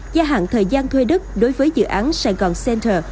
gia hạn thời gian thuê đất đối với dự án sài gòn center